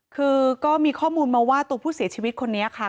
คือก็มีข้อมูลมาว่าตัวผู้เสียชีวิตคนนี้ค่ะ